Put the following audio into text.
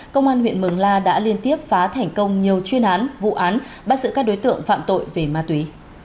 công an huyện mường la đã liên tiếp phá thành công nhiều chuyên án vụ án bắt giữ các đối tượng phạm tội về ma túy